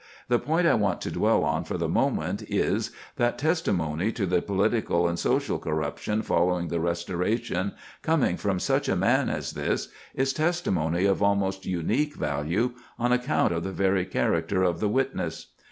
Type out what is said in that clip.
The point I want to dwell on for the moment is, that testimony to the political and social corruption following the Restoration, coming from such a man as this, is testimony of almost unique value, on account of the very character of the witness.